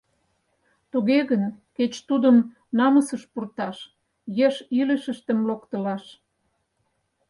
Туге гын, кеч тудым намысыш пурташ, еш илышыштым локтылаш.